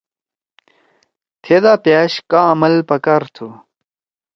تھیدا پأش کآں عمل پکار تُھو۔